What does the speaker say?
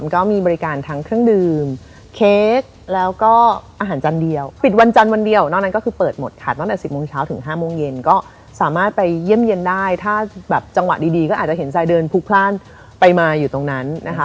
ครับเป็นจริงพี่แจ๊คเป็นพยานนะ